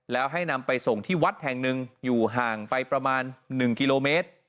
แล้วให้นำไปส่งที่วัดแห่งหนึ่งอยู่ห่างไปประมาณ๑กิโลเมตร